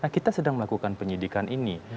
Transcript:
kita sedang melakukan penyidikan ini